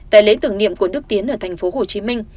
tại lễ tưởng niệm của đức tiến ở tp hcm